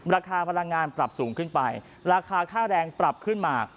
ราคาพลังงานปรับสูงขึ้นไปราคาค่าแรงปรับขึ้นมา